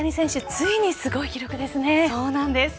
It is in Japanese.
ついにすごい記録ですね。